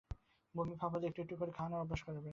বমি ভাব হলে একটু একটু করে খাওয়ানোর চেষ্টা করবেন।